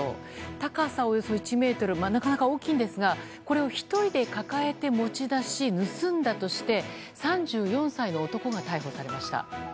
高さ、およそ１ｍなかなか大きいんですがこれを１人で抱えて持ち出し盗んだとして３４歳の男が逮捕されました。